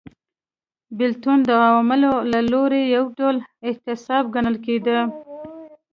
بېلتون د عوامو له لوري یو ډول اعتصاب ګڼل کېده